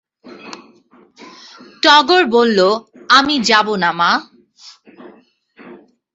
টগর বলল, আমি যাব না, মা।